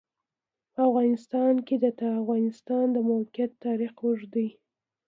په افغانستان کې د د افغانستان د موقعیت تاریخ اوږد دی.